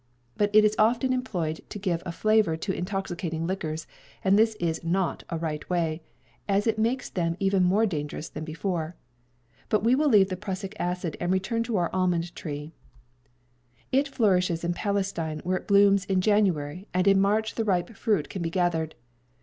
But it is often employed to give a flavor to intoxicating liquors, and this is not a right way, as it makes them even more dangerous than before. But we will leave the prussic acid and return to our almond tree. It flourishes in Palestine, where it blooms in January, and in March the ripe fruit can be gathered."